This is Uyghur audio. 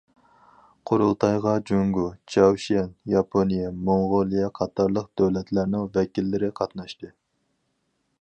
قۇرۇلتايغا جۇڭگو، چاۋشيەن، ياپونىيە، موڭغۇلىيە قاتارلىق دۆلەتلەرنىڭ ۋەكىللىرى قاتناشتى.